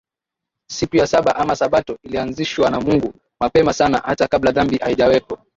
Siku ya Saba ama Sabato ilianzishwa na Mungu Mapema sana hata kabla dhambi haijawepo